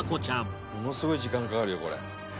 「ものすごい時間かかるよこれ」